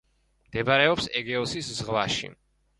მდებარეობს ეგეოსის ზღვაში.